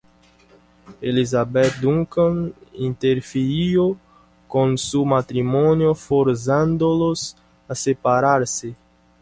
Elizabeth Duncan interfirió con su matrimonio forzándolos a separarse.